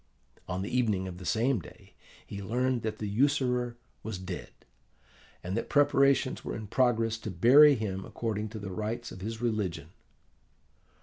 On the evening of the same day he learned that the usurer was dead, and that preparations were in progress to bury him according to the rites of his religion.